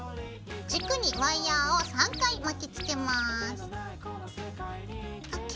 軸にワイヤーを３回巻きつけます。ＯＫ。